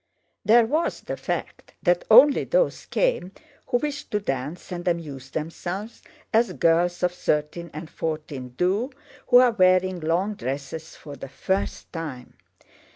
There was the fact that only those came who wished to dance and amuse themselves as girls of thirteen and fourteen do who are wearing long dresses for the first time.